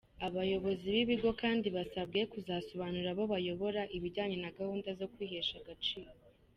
Abayobozi b’ibigo kandi basabwe kuzasobanurira abo bayobora ibijyanye na gahunda yo kwihesha agaciro.